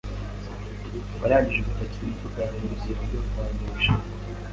Warangije gupakira imifuka yawe mu rugendo rwawe mu Bushinwa?